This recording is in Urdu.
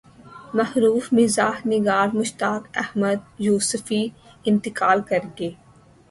معروف مزاح نگار مشتاق احمد یوسفی انتقال کرگئے